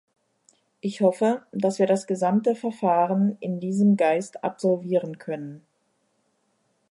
Ich hoffe, dass wir das gesamte Verfahren in diesem Geist absolvieren können.